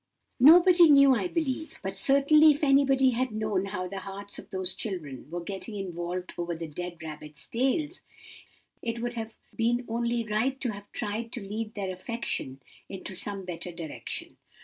"Nobody knew, I believe; but certainly if anybody had known how the hearts of those children were getting involved over the dead rabbits' tails, it would have been only right to have tried to lead their affection into some better direction.